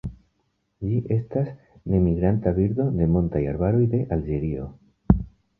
Ĝi estas nemigranta birdo de montaj arbaroj de Alĝerio.